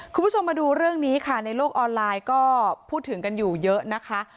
คุณผู้ชมมาดูเรื่องนี้ค่ะในโลกออนไลน์ก็พูดถึงกันอยู่เยอะนะคะ